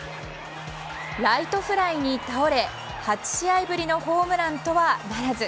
ライトフライに倒れ８試合ぶりのホームランとはならず。